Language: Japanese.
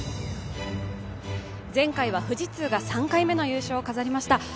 前回は富士通が３回目の優勝を飾りました。